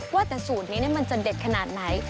ว่าแต่สูตรนี้มันจะเด็ดขนาดไหน